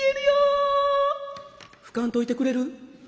「吹かんといてくれる？